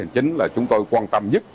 chính là chúng tôi quan tâm nhất